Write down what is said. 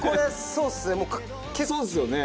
そうですよね。